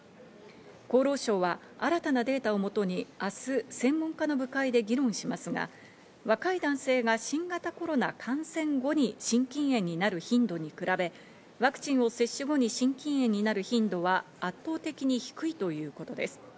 厚労省は新たなデータをもとに明日、専門家の部会で議論しますが、若い男性が新型コロナ感染後に心筋炎になる頻度に比べ、ワクチンを接種後に心筋炎になる頻度は圧倒的に低いということです。